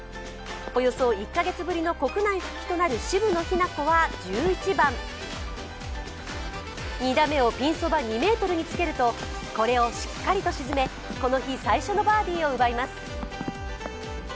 およそ１カ月ぶりの国内復帰となる渋野日向子は１１番、２打目をピンそば２ｍにつけるとこれをしっかりと沈め、この日最初のバーディーを奪います。